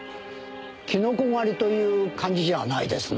キノコ狩りという感じじゃないですな。